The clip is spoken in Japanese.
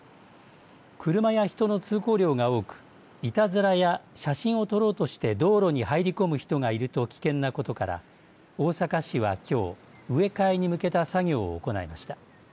車や人の通行量が多くいたずらや写真を撮ろうとして道路に入り込む人がいると危険なことから大阪市はきょう植え替えに向けた作業を行いました。